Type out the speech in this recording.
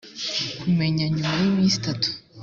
kumenya nyuma y iminsi itatu